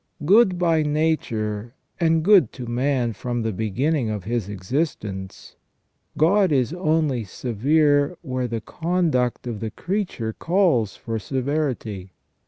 Good by nature, and good to man from the beginning of his existence, God is only severe where the conduct of the creature calls for severity.